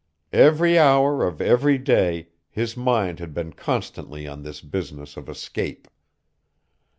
Every hour of every day his mind had been constantly on this business of escape.